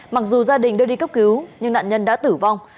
mặc dù gia đình đưa đi cấp cứu nhưng nạn nhân đã tử vong